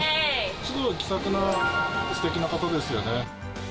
すごい気さくな、すてきな方ですよね。